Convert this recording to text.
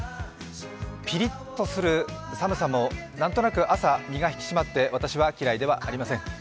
ピリッとする寒さも何となく朝、身が引き締まって、私は嫌いではありません。